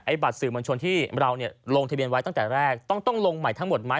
บัตรสื่อมวลชนที่เราลงทะเบียนไว้ตั้งแต่แรกต้องลงใหม่ทั้งหมดไหม